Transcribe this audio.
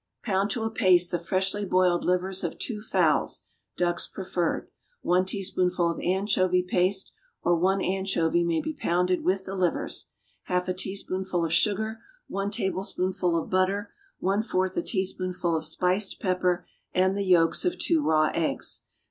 = Pound to a paste the freshly boiled livers of two fowls (ducks preferred), one teaspoonful of anchovy paste (or one anchovy may be pounded with the livers), half a teaspoonful of sugar, one tablespoonful of butter, one fourth a teaspoonful of spiced pepper and the yolks of two raw eggs.